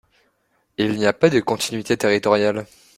Il n’y a pas de continuité territoriale.